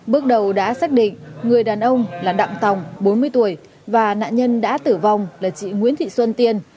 bước đầu đã xác định người đàn ông là đặng tòng bốn mươi tuổi và nạn nhân đã tử vong là chị nguyễn thị xuân tiên